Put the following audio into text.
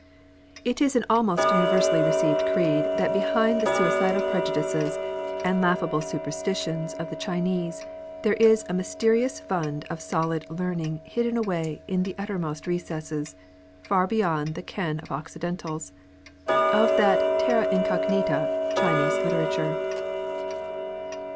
It is an almost universally received creed that behind the suicidal prejudices and laughable superstitions of the Chinese there is a mysterious fund of solid learn ing hidden away in the uttermost recesses — far beyond the ken of occidentals— of that terra incognita^ Chinese literature.